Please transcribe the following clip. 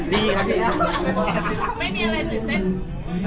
ดีครับพี่